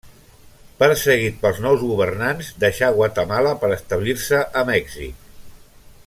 Perseguit pels nous governants, deixà Guatemala per establir-se a Mèxic.